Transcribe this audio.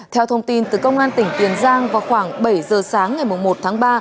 theo thông tin từ công an tỉnh tiền giang vào khoảng bảy giờ sáng ngày một tháng ba